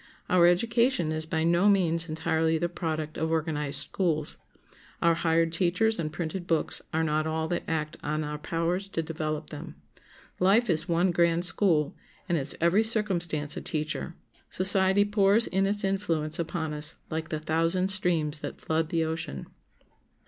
Our education is by no means entirely the product of organized schools. Our hired teachers and printed books are not all that act on our powers to develop them. Life is one grand school, and its every circumstance a teacher. Society pours in its influence upon us like the thousand streams that flood the ocean.